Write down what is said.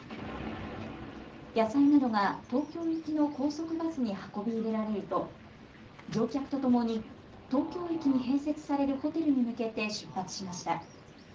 野菜などが東京行きの高速バスに運び入れられると乗客とともに東京駅に併設されるホテルに向けて出発しました。